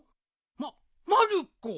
まっまる子。